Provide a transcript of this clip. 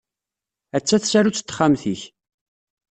Hatta tsarut n texxamt-ik.